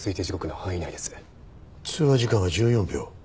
通話時間が１４秒。